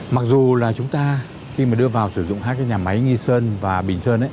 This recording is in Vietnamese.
mặc dù chúng ta khi đưa vào sử dụng hai nhà máy nghi sơn và bình sơn